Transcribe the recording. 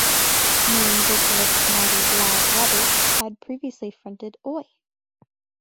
Main vocalist Matty 'Blagg' Roberts had previously fronted Oi!